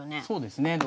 そうですね。